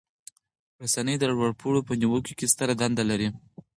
رسنۍ د لوړ پوړو په نیوکو کې ستره دنده لري.